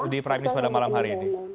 di prime news pada malam hari ini